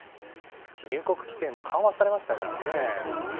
入国規制も緩和されましたからね。